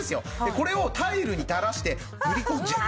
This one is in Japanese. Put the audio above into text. これをタイルに垂らして塗り込んじゃう。